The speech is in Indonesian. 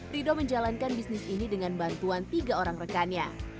rido menjalankan bisnis ini dengan bantuan tiga orang rekannya